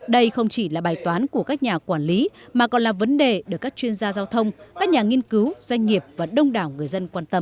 đây không chỉ là bài toán của các nhà quản lý mà còn là vấn đề được các chuyên gia giao thông các nhà nghiên cứu doanh nghiệp và đông đảo người dân quan tâm